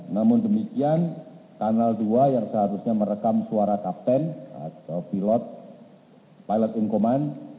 namun demikian kanal dua yang seharusnya merekam suara kapten atau pilot pilot in command